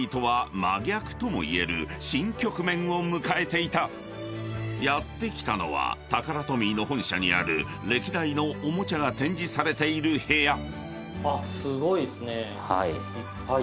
［しかし］［やって来たのはタカラトミーの本社にある歴代のおもちゃが展示されている部屋］いっぱい。